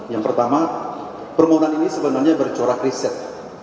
yang pertama permohonan ini sebenarnya bercorak riset